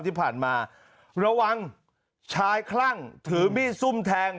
ที่ผ่านมาระวังชายคลั่งถือมีดซุ่มแทง